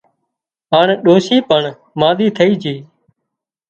هانَ ڏوشي پڻ مانۮِي ٿئي جھئي